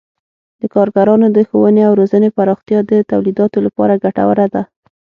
د کارګرانو د ښوونې او روزنې پراختیا د تولیداتو لپاره ګټوره ده.